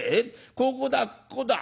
ここだここだ。